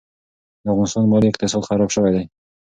د افغانستان مالي اقتصاد خراب شوی دي.